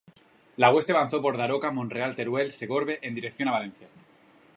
La hueste avanzó por Daroca, Monreal, Teruel y Segorbe, en dirección a Valencia.